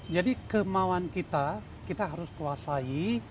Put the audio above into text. jadi kemauan kita kita harus kuasai